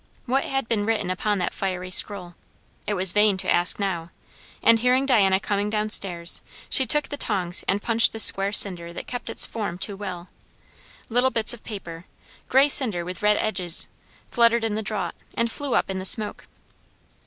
What had been written upon that fiery scroll? It was vain to ask now; and hearing Diana coming down stairs, she took the tongs and punched the square cinder that kept its form too well. Little bits of paper, grey cinder with red edges, fluttered in the draught, and flew up in the smoke.